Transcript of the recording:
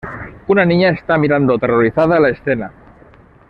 Una niña está mirando aterrorizada la escena.